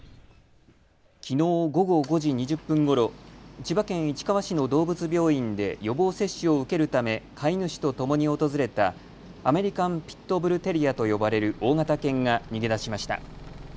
きのう午後５時２０分ごろ、千葉県市川市の動物病院で予防接種を受けるため飼い主とともに訪れたアメリカン・ピット・ブル・テリアと呼ばれる大型犬が逃げ出しました。